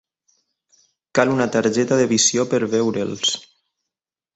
Cal una targeta de visió per veure'ls.